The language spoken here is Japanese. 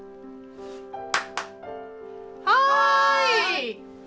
・はい！